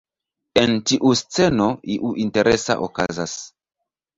En tiu sceno, iu interesa okazas.